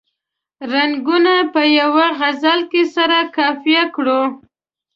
رنګونه په یوه غزل کې سره قافیه کړو.